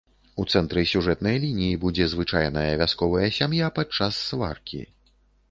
У цэнтры сюжэтнай лініі будзе звычайная вясковая сям'я падчас сваркі.